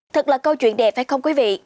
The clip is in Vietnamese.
thật là câu chuyện đẹp phải không quý vị